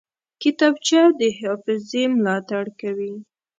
کتابچه د حافظې ملاتړ کوي